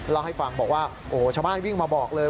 เล่าให้ฟังบอกว่าโอ้ชาวบ้านวิ่งมาบอกเลย